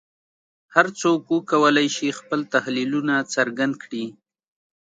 هر څوک وکولای شي خپل تحلیلونه څرګند کړي